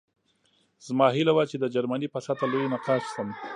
زما هیله وه چې د جرمني په سطحه لوی نقاش شم